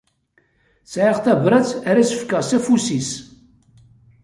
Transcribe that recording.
Sɛiɣ tabrat ara as-fkeɣ s afus-is.